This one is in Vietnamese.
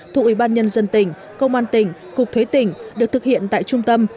thuộc ủy ban nhân dân tỉnh công an tỉnh cục thuế tỉnh được thực hiện tại trung tâm